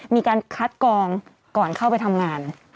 มีการคัดกองก่อนเข้าไปทำงาน